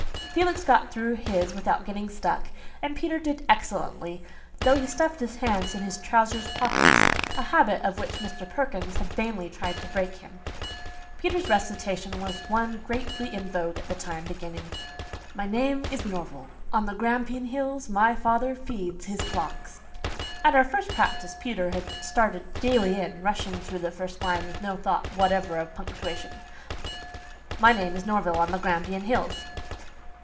Felix got through his without "getting stuck," and Peter did excellently, though he stuffed his hands in his trousers pockets a habit of which Mr. Perkins had vainly tried to break him. Peter's recitation was one greatly in vogue at that time, beginning, "My name is Norval; on the Grampian hills My father feeds his flocks." At our first practice Peter had started gaily in, rushing through the first line with no thought whatever of punctuation "My name is Norval on the Grampian Hills."